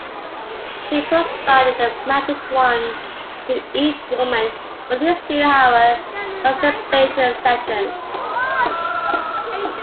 She provided a Magic Wand to each woman for these two-hour masturbation sessions.